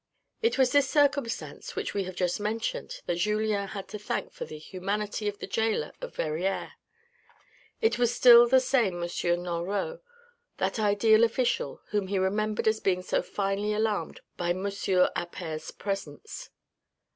It was this circumstance, which we have just mentioned, that Julien had to thank for the humanity of the gaoler of Verrieres. It was still the same M. Nolraud, that ideal official, whom he remembered as being so finely alarmed by M. Appert's presence.